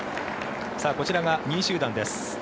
こちらが２位集団です。